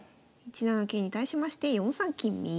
１七桂に対しまして４三金右。